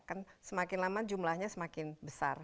kan semakin lama jumlahnya semakin besar